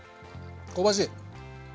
香ばしい！